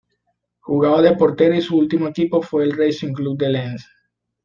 Jugaba de portero y su último equipo fue el Racing Club de Lens.